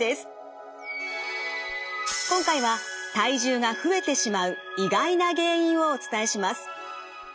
今回は体重が増えてしまう意外な原因をお伝えします。